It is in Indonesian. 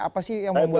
apa sih yang membuat